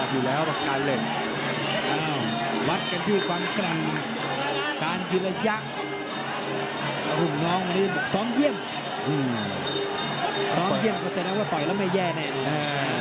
อยู่แล้วปากการเหล็กอ้าววัดกันที่ความกรรมการกิจระยะอาหุ่นน้องมันจะบอกสองเยี่ยมอืมสองเยี่ยมก็เสร็จแล้วก็ปล่อยแล้วไม่แย่ได้อ่า